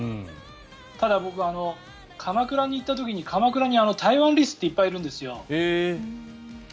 ただ、僕、鎌倉に行った時に鎌倉にタイワンリスっていっぱいいるんですよ。